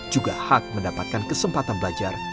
juga hak mendapatkan kesempatan belajar